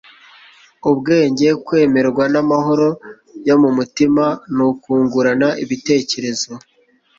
ubwenge, kwemerwa namahoro yo mumutima. ni ukungurana ibitekerezo